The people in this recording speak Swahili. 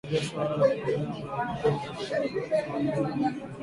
Pia tulizungumzia suala la kupotea kwa kulazimishwa mauaji holela suala la